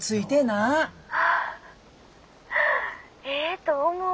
ああええと思う！